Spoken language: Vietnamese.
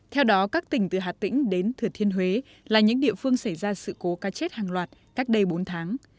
theo đó các tỉnh từ hà tĩnh đến thừa thiên huế là những địa phương xảy ra sự cố ca chết hàng loạt các đầy bốn tháng